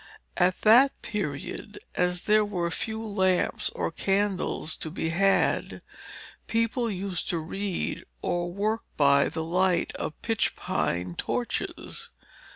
At that period, as there were few lamps or candles to be had, people used to read or work by the light of pitchpine torches.